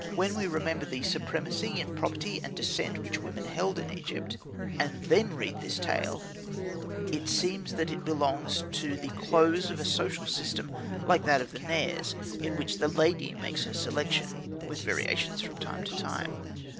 When we remember the supremacy in properly and descent which women held in Egypt, and then read this tale, it seems that it belongs to the close of a social system like that of the Nairs, in which the lady makes her selection with variations from time to time.